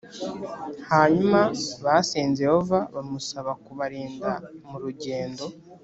Hanyuma basenze Yehova bamusaba kubarinda mu rugendo